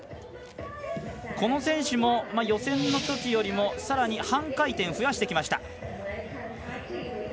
この選手も予選のときよりもさらに半回転増やしてきました。